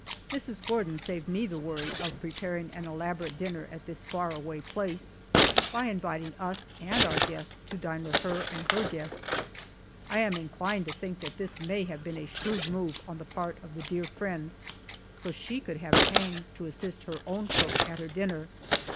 Mrs. Gordon saved me the worry of preparing an elaborate dinner at this far away place, by inviting us and our guest to dine with her and her guests. I am inclined to think that this may have been a shrewd move on the part of the dear friend, so she could have Hang to assist her own cook at her dinner.